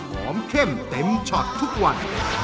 เข้มเต็มช็อตทุกวัน